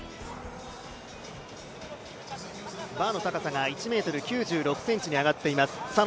バーの高さが１ｍ９６ｃｍに上がっています。